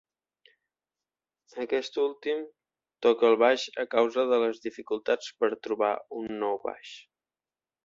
Aquest últim toca el baix a causa de les dificultats per trobar un nou baix.